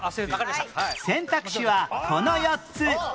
選択肢はこの４つ